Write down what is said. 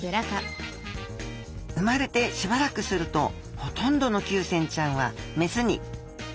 生まれてしばらくするとほとんどのキュウセンちゃんは雌に。